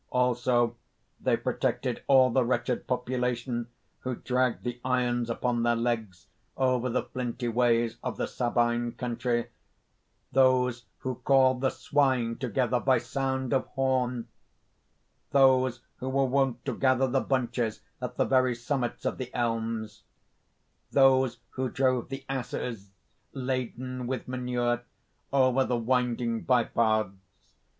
"Also they protected all the wretched population who dragged the irons upon their legs over the flinty ways of the Sabine country, those who called the swine together by sound of horn, those who were wont to gather the bunches at the very summits of the elms, those who drove the asses, laden with manure, over the winding bypaths.